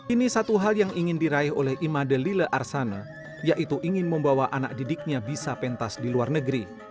ini satu hal yang ingin diraih oleh imade lila arsana yaitu ingin membawa anak didiknya bisa pentas di luar negeri